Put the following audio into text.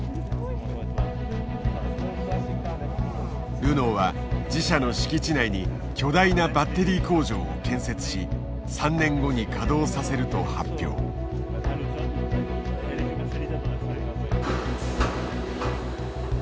ルノーは自社の敷地内に巨大なバッテリー工場を建設し３年後に稼働させると発表。を投入する。